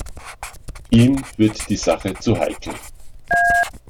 Ihm wird die Sache zu heikel.